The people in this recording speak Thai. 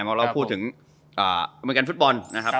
เราพูดถึงอเมริกันฟุตบอลนะครับ